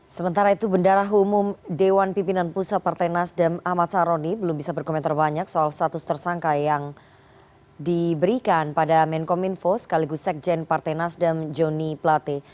sementara itu bendara umum dewan pimpinan pusat partai nasdem ahmad saroni belum bisa berkomentar banyak soal status tersangka yang diberikan pada menkominfo sekaligus sekjen partai nasdem joni plate